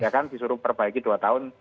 ya kan disuruh perbaiki dua tahun